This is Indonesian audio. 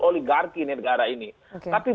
oligarki negara ini tapi